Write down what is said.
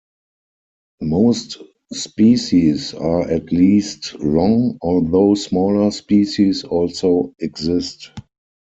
Most species are at least long, although smaller species also exist.